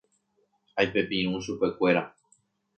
Aipepirũ chupekuéra.